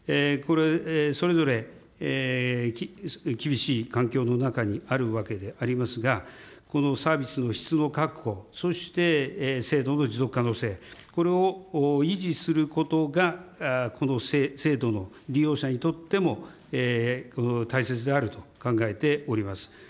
それぞれ厳しい環境の中にあるわけでありますが、このサービスの質の確保、そして制度の持続可能性、これを維持することが、この制度の利用者にとっても大切であると考えております。